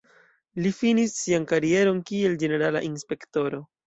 Li finis sian karieron kiel ĝenerala inspektoro.